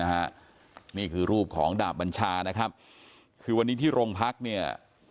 นี่คือรูปของดาบบัญชานะครับคือวันนี้ที่โรงพักเนี่ย